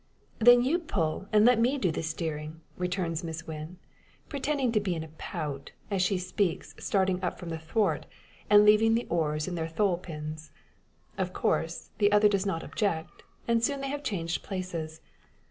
"Then you pull, and let me do the steering," returns Miss Wynn, pretending to be in a pout; as she speaks starting up from the thwart, and leaving the oars in their thole pins. Of course, the other does not object; and soon they have changed places.